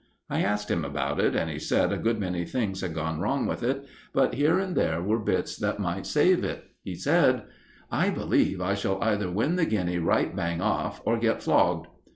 I asked him about it, and he said a good many things had gone wrong with it, but here and there were bits that might save it. He said: "I believe I shall either win the guinea right bang off, or get flogged."